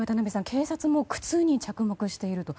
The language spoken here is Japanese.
警察も靴に着目していると。